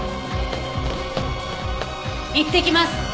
行ってきます。